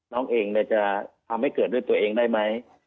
น้องเองจะทำให้เกิดด้วยตัวเองได้ไหม